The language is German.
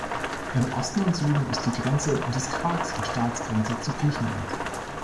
Im Osten und Süden ist die Grenze des Qarks auch Staatsgrenze zu Griechenland.